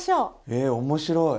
え面白い！